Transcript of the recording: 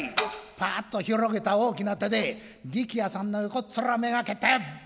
パッと広げた大きな手で力弥さんの横っ面目掛けてバチーーーン。